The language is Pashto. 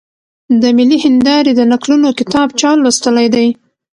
د ملي هېندارې د نکلونو کتاب چا لوستلی دی؟